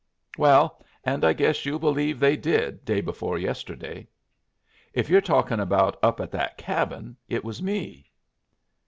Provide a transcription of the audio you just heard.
"Well and I guess you'll believe they did day before yesterday" "If you're talking about up at that cabin, it was me."